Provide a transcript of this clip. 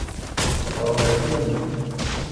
باغ فین